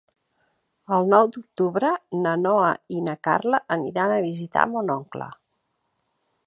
El nou d'octubre na Noa i na Carla aniran a visitar mon oncle.